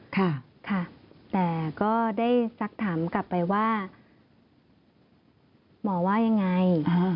ค่ะค่ะแต่ก็ได้สักถามกลับไปว่าหมอว่ายังไง